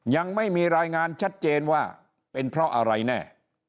ยังไม่มีรายงานชัดเจนว่าเป็นเพราะอะไรแน่